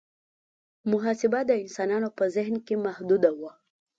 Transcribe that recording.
محاسبه د انسانانو په ذهن کې محدوده وه.